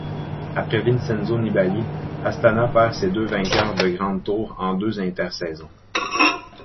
Après Vincenzo Nibali, Astana perd ses deux vainqueurs de grands tours en deux intersaisons.